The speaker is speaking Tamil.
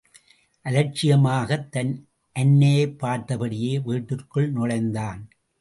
அலட்சியமாகத் தன் அன்னையைப் பார்த்தபடியே வீட்டிற்குள் நுழைந்தான்.